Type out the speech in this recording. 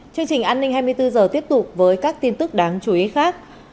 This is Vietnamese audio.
chương trình an ninh hai mươi bốn h tiếp tục với các tin tức đáng chú ý khác